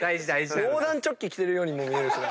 防弾チョッキ着てるようにも見えるしな。